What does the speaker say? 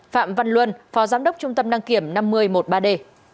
phạm văn luân phó giám đốc trung tâm đăng kiểm năm nghìn một mươi ba d